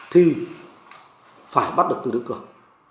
thì phải bắt được từ đức cường